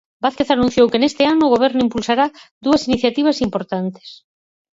Vázquez anunciou que neste ano o Goberno impulsará dúas iniciativas importantes.